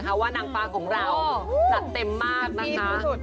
ผมก็ต้องบอกว่าหนังฝากของเราสรรเต็มมากนะคะ